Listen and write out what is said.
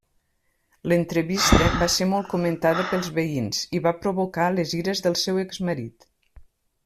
L'entrevista va ser molt comentada pels veïns i va provocar les ires del seu exmarit.